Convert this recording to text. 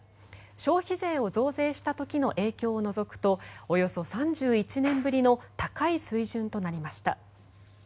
消費税を増税した時の影響を除くとおよそ３１年ぶりの高い水準となりました。